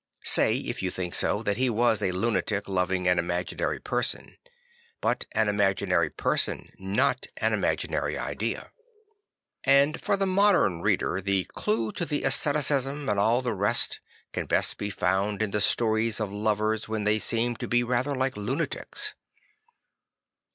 Say, if you think so, that he was a lunatic loving an imaginary person; but an imaginary person, not an imaginary idea. And for the modern . '[he Problem of St. Franct's IS reader the clue to the asceticism and all the rest can best be found in the stories of lovers when they seemed to be rather like lunatics.